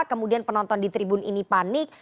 kemudian penonton di tribun ini panik